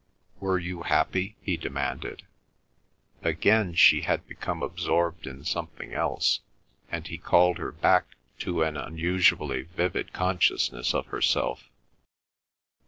"Were you happy?" he demanded. Again she had become absorbed in something else, and he called her back to an unusually vivid consciousness of herself.